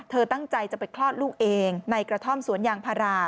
ตั้งใจจะไปคลอดลูกเองในกระท่อมสวนยางพารา